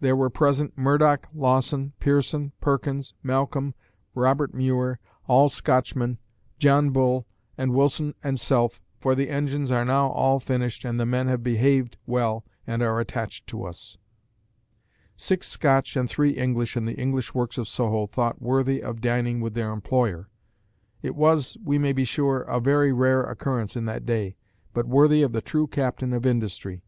There were present Murdoch, Lawson, Pearson, Perkins, Malcom, Robert Muir, all Scotchmen, John Bull and Wilson and self, for the engines are now all finished and the men have behaved well and are attached to us." Six Scotch and three English in the English works of Soho thought worthy of dining with their employer! It was, we may be sure, a very rare occurrence in that day, but worthy of the true captain of industry.